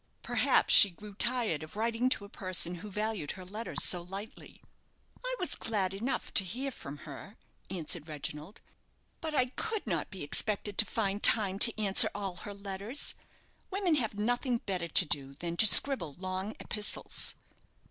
"Perhaps she grew tired of writing to a person who valued her letters so lightly." "I was glad enough to hear from her," answered Reginald; "but I could not be expected to find time to answer all her letters. Women have nothing better to do than to scribble long epistles."